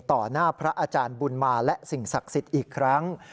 หน้าพระอาจารย์บุญมาและสิ่งศักดิ์สิทธิ์อีกครั้ง